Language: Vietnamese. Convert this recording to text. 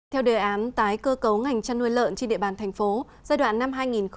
theo đề án tái cơ cấu ngành chăn nuôi lợn trên địa bàn thành phố giai đoạn năm hai nghìn hai mươi một hai nghìn hai mươi